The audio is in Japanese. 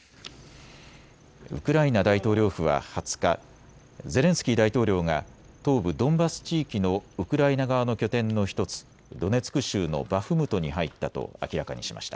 ウクライナ大統領府は２０日、ゼレンスキー大統領が東部ドンバス地域のウクライナ側の拠点の１つ、ドネツク州のバフムトに入ったと明らかにしました。